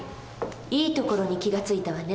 いいところに気が付いたわね。